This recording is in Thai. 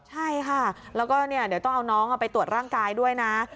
ใช่ค่ะแล้วก็เดี๋ยวต้องเอาน้องไปตรวจร่างกายด้วยนะ